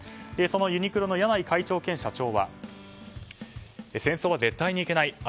そのユニクロの柳井会長兼社長は戦争は絶対にいけない。